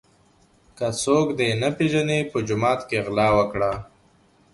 که څوک دي نه پیژني په جومات کي غلا وکړه.